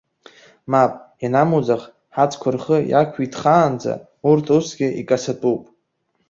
Мап, ианамуӡах, ҳацәқәа рхы иаақәиҭхаанӡа, урҭ усгьы икацатәуп.